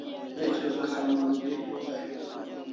Waresho se saman gri eu dai